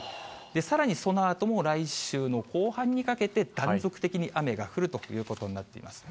さらに、そのあとも来週の後半にかけて、断続的に雨が降るということになっています。